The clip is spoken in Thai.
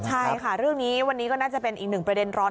ใช่ค่ะเรื่องนี้วันนี้ก็น่าจะเป็นอีกหนึ่งประเด็นร้อน